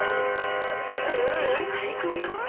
ううん最高よ。